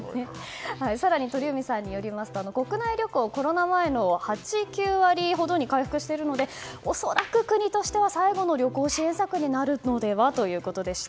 更に鳥海さんによりますと国内旅行コロナ前の８９割ほどに回復しているので恐らく、国としては最後の旅行支援策になるのではということでした。